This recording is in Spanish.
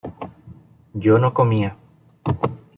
yo no comía